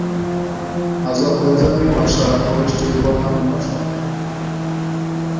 Azerbaijani ভাষা প্রদেশটির প্রধান ভাষা।